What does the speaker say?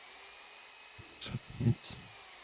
Doposud nic.